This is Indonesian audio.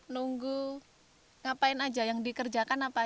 jika tidak petani terpaksa diberi kekuatan